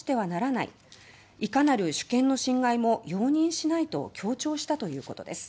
いかなる主権の侵害も容認しないと強調したということです。